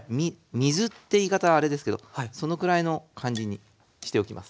水って言い方はあれですけどそのくらいの感じにしておきます。